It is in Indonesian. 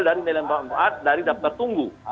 dari nilai manfaat dari daftar tunggu